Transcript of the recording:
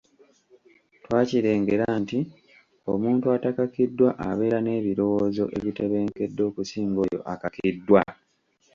Twakirengera nti omuntu atakakiddwa abeera n’ebirowoozo ebitebenkedde okusinga oyo akakiddwa.